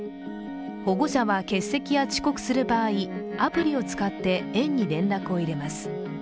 保護者は、欠席や遅刻する場合、アプリを使って園に連絡を入れます。